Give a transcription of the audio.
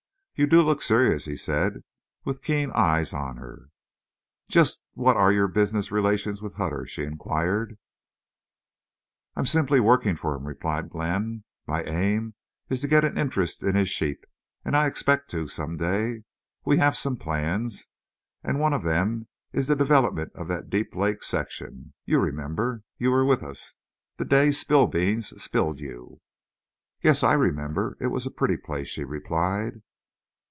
"You do look serious," he said, with keen eyes on her. "Just what are your business relations with Hutter?" she inquired. "I'm simply working for him," replied Glenn. "My aim is to get an interest in his sheep, and I expect to, some day. We have some plans. And one of them is the development of that Deep Lake section. You remember—you were with us. The day Spillbeans spilled you?" "Yes, I remember. It was a pretty place," she replied.